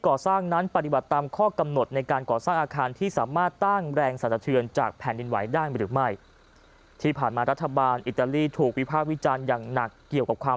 ก่อสร้างนั้นปฏิบัติตามข้อกำหนด